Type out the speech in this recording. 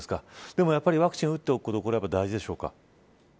でも、やっぱりワクチンを打っておくことは大事でしょうか。